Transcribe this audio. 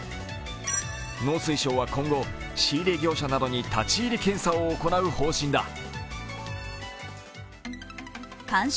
農水省は今後、仕入れ業者などに立入検査を行う方針だ。